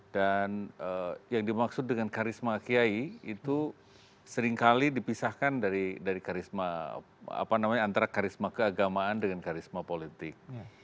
dan yang dimaksud dengan karisma kiai itu seringkali dipisahkan dari karisma apa namanya antara karisma keagamaan dengan karisma politik